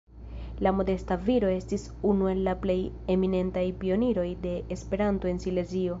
La modesta viro estis unu el la plej eminentaj pioniroj de Esperanto en Silezio.